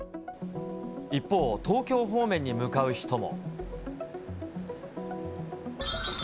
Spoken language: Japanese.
一方、東京方面に向かう人も。